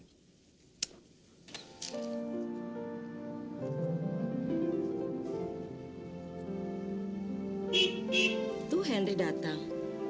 tuh henry datang